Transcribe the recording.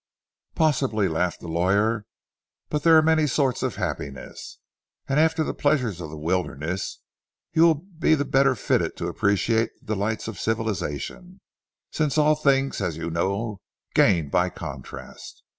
"Possibly," laughed the lawyer, "but there are many sorts of happiness, and after the pleasures of the wilderness you will be the better fitted to appreciate the delights of civilization, since all things, as you know, gain by contrast....